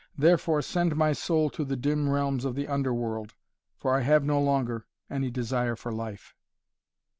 Therefore send my soul to the dim realms of the underworld, for I have no longer any desire for life."